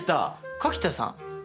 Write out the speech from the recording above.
柿田さん